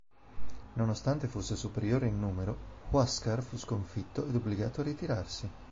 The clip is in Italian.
Nonostante fosse superiore in numero, Huáscar fu sconfitto ed obbligato a ritirarsi.